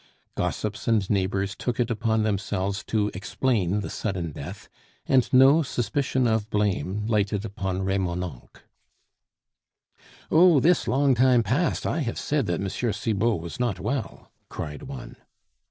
Gossips and neighbors took it upon themselves to explain the sudden death, and no suspicion of blame lighted upon Remonencq. "Oh! this long time past I have said that M. Cibot was not well," cried one.